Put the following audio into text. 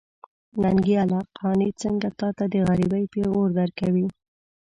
ننګياله! قانع څنګه تاته د غريبۍ پېغور درکوي.